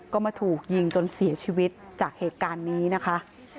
ก็มาถูกยิงจนเสียชีวิตจากเหตุการณ์นี้นะคะ